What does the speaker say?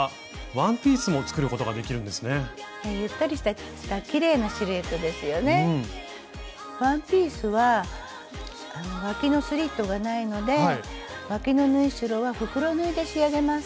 ワンピースはわきのスリットがないのでわきの縫い代は袋縫いで仕上げます。